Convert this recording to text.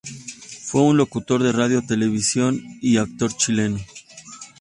Fue un locutor de radio, televisión y actor chileno.